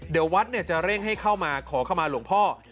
เดี๋ยววัดจะเร่งให้เข้ามาขอเข้ามาหลวงพ่อ